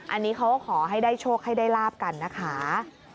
อันนี้เขาก็ขอให้ได้โชคให้ได้ลาบกันนะคะ